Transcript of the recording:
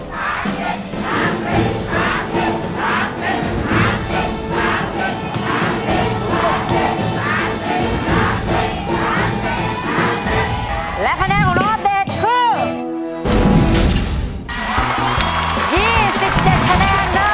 ๒๗คะแนนนะ